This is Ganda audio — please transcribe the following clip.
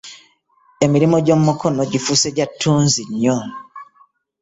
Emirimu gye mikono gifuuse gya ttunzi nnyo .